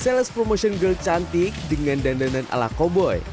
sales promotion girld cantik dengan dandanan ala koboi